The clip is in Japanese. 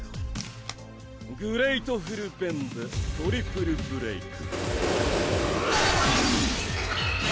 グレイトフル・ベンでトリプルブレイク。